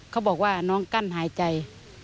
เขาบอกว่าน้องกั้นหายใจ